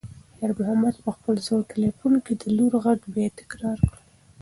خیر محمد په خپل زوړ تلیفون کې د لور غږ بیا تکرار کړ.